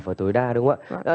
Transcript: và tối đa đúng không ạ